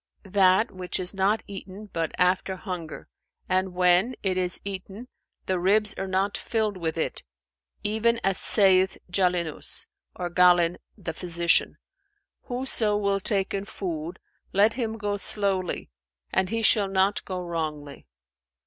"That which is not eaten but after hunger, and when it is eaten, the ribs are not filled with it, even as saith Jαlνnϊs or Galen the physician, 'Whoso will take in food, let him go slowly and he shall not go wrongly.'